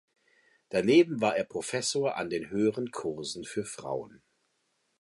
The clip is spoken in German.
Daneben war er Professor an den Höheren Kursen für Frauen.